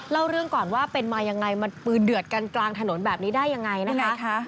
เล่าเรื่องก่อนว่าเป็นมายังไงมันปืนเดือดกันกลางถนนแบบนี้ได้ยังไงนะคะ